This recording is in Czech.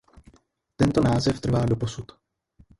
Tento název trvá doposud.